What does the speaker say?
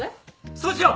そうしよう！